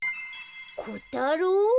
「こたろう」？